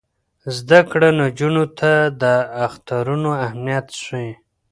زده کړه نجونو ته د اخترونو اهمیت ښيي.